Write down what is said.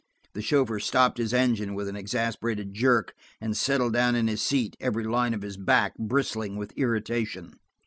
The chauffeur stopped his engine with an exasperated jerk and settled down in his seat, every line of his back bristling with irritation.